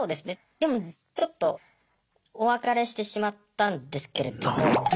でもちょっとお別れしてしまったんですけれども。